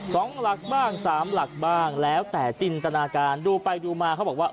สองหลักบ้างสามหลักบ้างแล้วแต่จินตนาการดูไปดูมาเขาบอกว่า